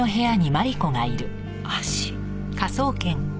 足？